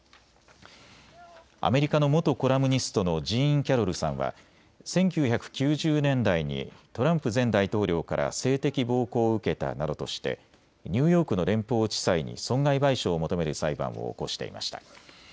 アメリカの元コラムニストのジーン・キャロルさんは１９９０年代にトランプ前大統領から性的暴行を受けたなどとしてニューヨークの連邦地裁に損害賠償を求める裁判を起こしていました。